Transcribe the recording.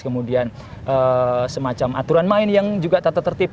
kemudian semacam aturan main yang juga tata tertib